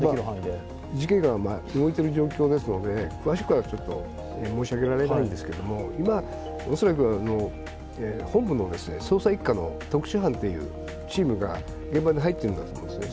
事件が動いている状況ですので詳しくは申し上げられないんですけど、今、恐らく本部の捜査一課の特殊班というチームが現場に入っているんだと思うんですね。